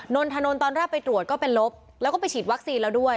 นนทนนท์ตอนแรกไปตรวจก็เป็นลบแล้วก็ไปฉีดวัคซีนแล้วด้วย